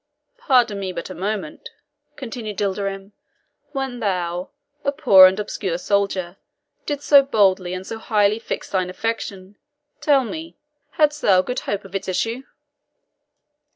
"Pardon me but a moment," continued Ilderim. "When thou, a poor and obscure soldier, didst so boldly and so highly fix thine affection, tell me, hadst thou good hope of its issue?"